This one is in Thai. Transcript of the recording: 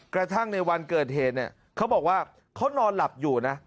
กระทั่งในวันเกิดเหตุเนี่ยเขาบอกว่าเขานอนหลับอยู่นะ